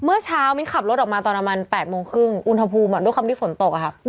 เมื่อเช้ามิ้นขับรถออกมาตอนประมาณ๘โมงครึ่งอุณหภูมิด้วยความที่ฝนตกอะค่ะ